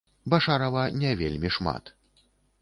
Башарава не вельмі шмат.